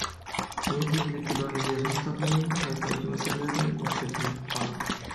يېزا ئىگىلىككە دائىر يازما كىتابلىرى ۋە تەرجىمە ئەسەرلىرى نەشردىن چىققان.